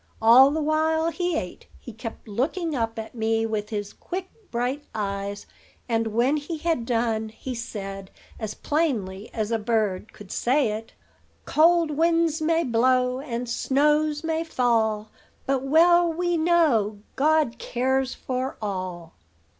All the while he ate he kept looking up at me with his quick, bright eyes; and, when he had done, he said, as plainly as a bird could say it: "'Cold winds may blow, And snows may fall, But well we know God cares for all.'"